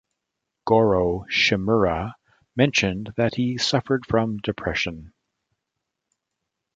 Goro Shimura mentioned that he suffered from depression.